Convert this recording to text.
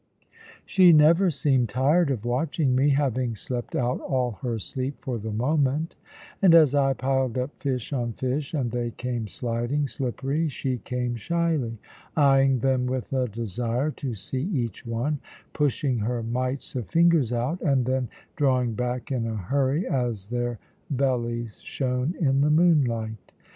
She never seemed tired of watching me, having slept out all her sleep for the moment; and as I piled up fish on fish, and they came sliding, slippery, she came shyly, eyeing them with a desire to see each one, pushing her mites of fingers out, and then drawing back in a hurry as their bellies shone in the moonlight.